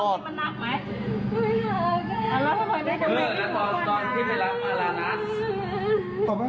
ตอนที่พูดล่ะมาละนะ